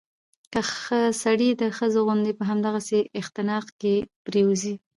که سړى د ښځې غوندې په همدغسې اختناق کې پرېوځي